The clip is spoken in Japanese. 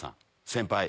先輩。